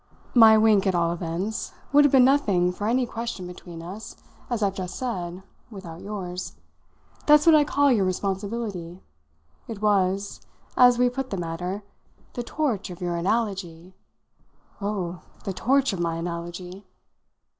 "My wink, at all events, would have been nothing for any question between us, as I've just said, without yours. That's what I call your responsibility. It was, as we put the matter, the torch of your analogy " "Oh, the torch of my analogy!"